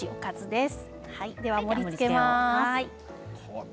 では盛りつけます。